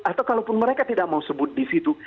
atau kalaupun mereka tidak mau sebut di situ